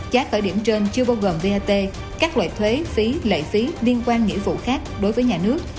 giá khởi điểm trên chưa bao gồm vat các loại thuế phí lệ phí liên quan nghĩa vụ khác đối với nhà nước